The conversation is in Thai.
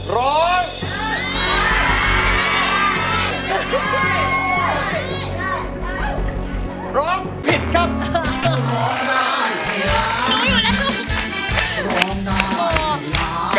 คุณผ่านถอนด้วยน่ารัก